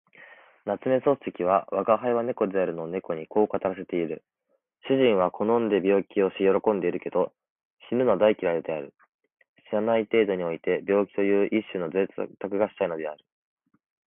夏目漱石は吾輩は猫であるの猫にこう語らせている。主人は好んで病気をし喜んでいるけど、死ぬのは大嫌いである。死なない程度において病気という一種の贅沢がしたいのである。